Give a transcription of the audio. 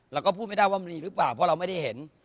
เราก็พูดไม่ได้ว่ามันมีหรือเปล่าเพราะเราไม่ได้เห็น